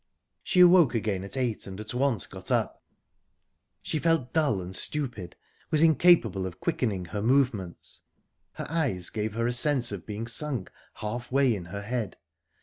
She awoke again at eight, and at once got up. She felt dull and stupid, was incapable of quickening her movements, her eyes gave her a sense of being sunk half way in her head.